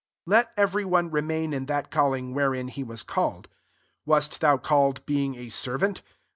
20 Let every one reouun that calling wherein he was illed. ^1 Wast thou called ing a servant